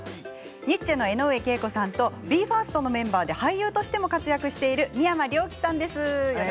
ニッチェの江上敬子さんとＢＥ：ＦＩＲＳＴのメンバーで俳優としても活躍している三山凌輝さんです。